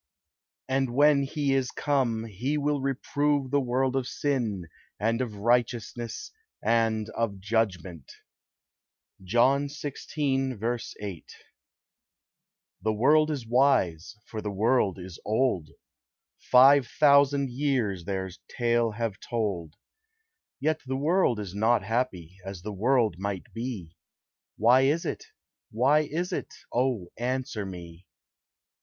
"And when he is come, he will reprove the world of sin, and of righteousness, and of judgment." JOHN xvi. 8. The world is wise, for the world is old; Five thousand years their tale have told; Yet the world is not happy, as the world might be, Why is it? why is it? Oh, answer me!